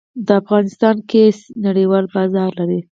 د افغانستان قیسی نړیوال بازار لري